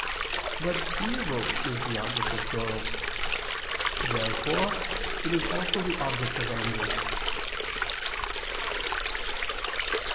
But evil is the object of sorrow. Therefore it is also the object of anger.